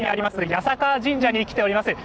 八坂神社に来ております。